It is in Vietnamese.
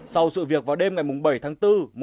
sau sự việc vào đêm ngày bảy tháng bốn